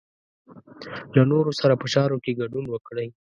له نورو سره په چارو کې ګډون وکړئ.